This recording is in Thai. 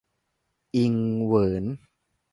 อิงเหวิน